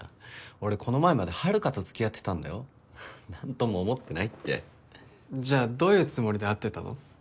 俺この前まで遥と付き合ってたんだよ何とも思ってないってじゃあどういうつもりで会ってたの？